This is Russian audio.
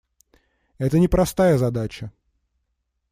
Это непростая задача.